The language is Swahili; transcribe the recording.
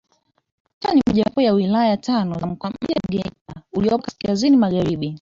Chato ni mojawapo ya wilaya tano za mkoa mpya wa Geita uliopo kaskazini magharibi